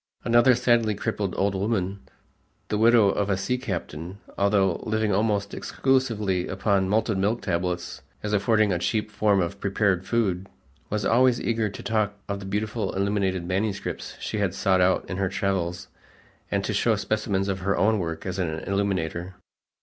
Another sadly crippled old woman, the widow of a sea captain, although living almost exclusively upon malted milk tablets as affording a cheap form of prepared food, was always eager to talk of the beautiful illuminated manuscripts she had sought out in her travels and to show specimens of her own work as an illuminator.